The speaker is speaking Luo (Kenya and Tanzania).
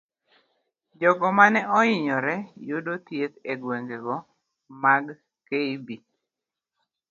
Jogo mane oinyore yudo thieth egwengego mag kb.